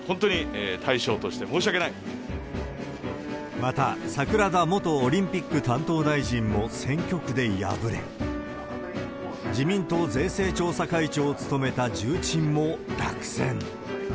また、桜田元オリンピック担当大臣も選挙区で敗れ、自民党税制調査会長を務めた重鎮も落選。